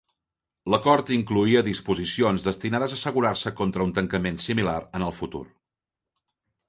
L'acord incloïa disposicions destinades a assegurar-se contra un tancament similar en el futur.